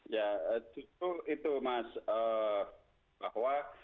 ya itu mas bahwa